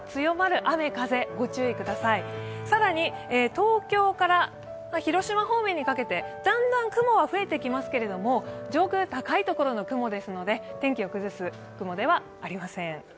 更に、東京から広島方面にかけて、だんだん雲は増えてきますけれども、上空、高いところの雲ですので、天気を崩す雲ではありません。